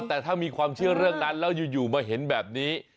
แต่ถ้ามีความเชื่อเรื่องนั้นแล้วอยู่มาเห็นแบบนี้